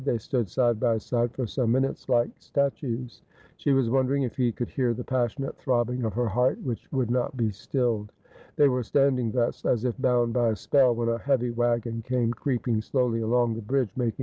They stood side by side for some minutes like statues. She was wondering if he could hear the passionate throbbing of her heart, which would not be stilled. They were standing thus, as if bound by a spell, when a heavy waggon came creeping slowly along the bridge, making ^Forbid a Love and it is ten Times so wode!